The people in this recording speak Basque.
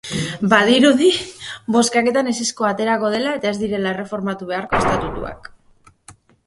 Badirudi, bozkaketan ezezkoa aterako dela eta ez direla erreformatu beharko estatutuak.